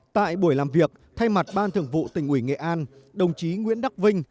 tại buổi làm việc thay mặt ban thường vụ tỉnh ủy nghệ an đồng chí nguyễn đắc vinh